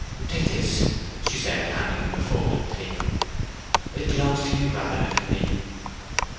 'Take this,' she said, handing him a folded paper. 'It belongs to you rather than to me.'